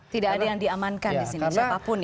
tidak ada yang diamankan disini siapapun ya